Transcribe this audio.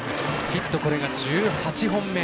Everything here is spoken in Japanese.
ヒット、これが１８本目。